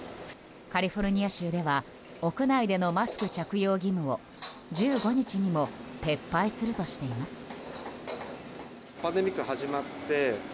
カリフォルニア州では屋内でのマスク着用義務を１５日にも撤廃するとしています。